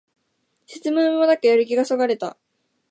説明もなくやる気をそがれた